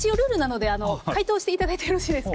では解説していただいてもよろしいですか？